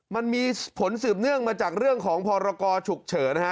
มันมีผลสืบเนื่องมาจากเรื่องของพรกรฉุกเฉินนะฮะ